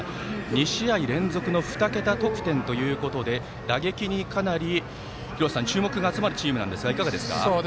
２試合連続の２桁得点ということで打撃にかなり注目が集まるチームですが、いかがですか。